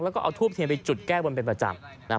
แล้วก็เอาทูบเทียนไปจุดแก้บนเป็นประจำนะครับ